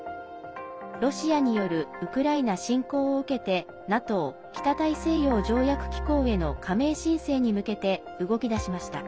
ロシアによるウクライナ侵攻を受けてＮＡＴＯ＝北大西洋条約機構への加盟申請に向けて動き出しました。